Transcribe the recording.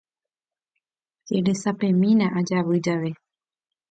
Cheresapemína ajavy jave.